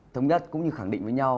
thống nhất cũng như khẳng định với nhau